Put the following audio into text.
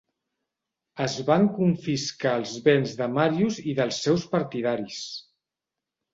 Es van confiscar els béns de Marius i dels seus partidaris.